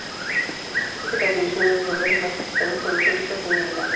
Este castillo es uno de los lugares más visitados por los turistas en Irlanda.